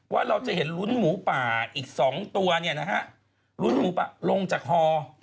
ว่าเราจะเห็นลุ้นหมูป่าอีกสองตัวเนี่ยนะฮะลุ้นหมูป่าลงจากฮอค่ะ